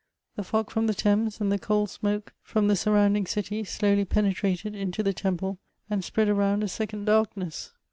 The fog from the Thames and the coal smoke from the surrounding city, slowly penetrated into the temple, and spread around a second darkness.